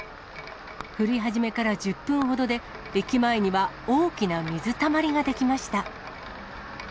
降り始めから１０分ほどで、駅前には大きな水たまりが出来ました。